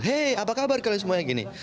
hei apa kabar kalian semuanya gini